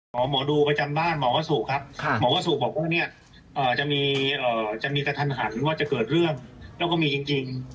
หมอหมอดูประจำบ้านหมอวสุครับหมอวสุบอกว่าเนี่ยจะมีกระทันหันว่าจะเกิดเรื่องแล้วก็มีจริง